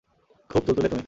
খুব তুলতুলে তুমি!